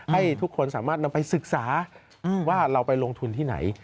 ให้ทุกคนสามารถนำไปศึกษาว่าเราไปลงทุนที่ไหน